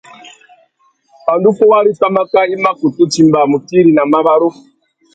Pandú fôwari pwámáká, i mà kutu timba mutiri na mabarú.